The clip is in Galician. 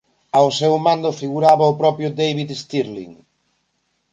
Ao seu mando figuraba o propio David Stirling.